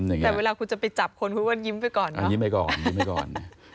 แต่เวลาคุณจะไปจับคนคุณว่ายิ้มไปก่อน